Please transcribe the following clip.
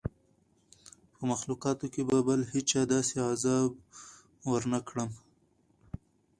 په مخلوقاتو کي به بل هېچا ته داسي عذاب ورنکړم